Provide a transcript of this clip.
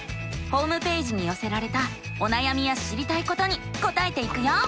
ホームページによせられたおなやみや知りたいことに答えていくよ。